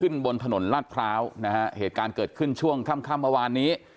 บนถนนลาดพร้าวนะฮะเหตุการณ์เกิดขึ้นช่วงค่ำค่ำเมื่อวานนี้